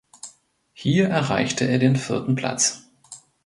Hier erreichte er den vierten Platz.